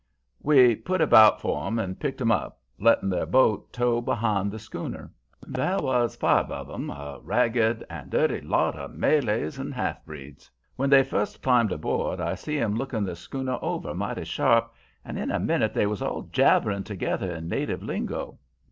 "We put about for 'em and picked 'em up, letting their boat tow behind the schooner. There was five of 'em, a ragged and dirty lot of Malays and half breeds. When they first climbed aboard, I see 'em looking the schooner over mighty sharp, and in a minute they was all jabbering together in native lingo.